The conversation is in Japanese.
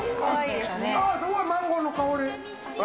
あっすごいマンゴーの香り。